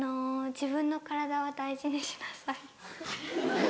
「自分の体は大事にしなさい」。